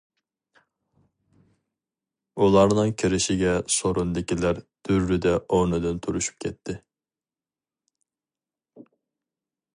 ئۇلارنىڭ كىرىشىگە سورۇندىكىلەر دۈررىدە ئورنىدىن تۇرۇشۇپ كەتتى.